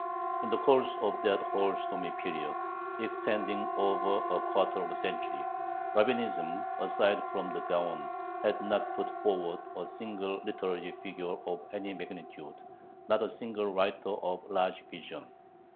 In the course of that whole stormy period, extending over a quarter of a century, Rabbinism, aside from the Gaon, had not put forward a single literary figure of any magnitude, not a single writer of large vision.